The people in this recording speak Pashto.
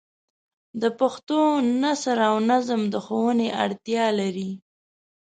د پښتو نثر او نظم د ښوونې اړتیا لري.